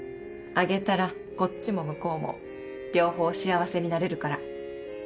あげたらこっちも向こうも両方幸せになれるから。